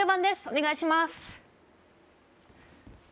お願いします